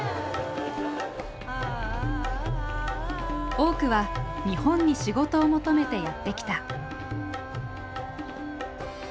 多くは日本に仕事を求めてやって来た。